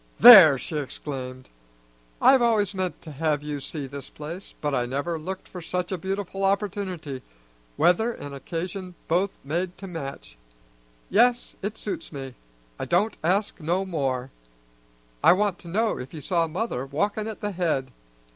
"There!" she exclaimed. "I've always meant to have you see this place, but I never looked for such a beautiful opportunity weather an' occasion both made to match. Yes, it suits me: I don't ask no more. I want to know if you saw mother walkin' at the head!